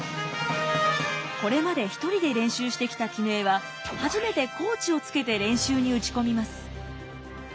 これまで１人で練習してきた絹枝は初めてコーチをつけて練習に打ち込みます。